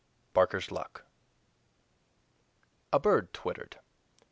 BARKER'S LUCK A bird twittered!